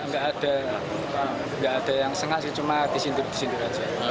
nggak ada yang sengaja cuma disindir disindir aja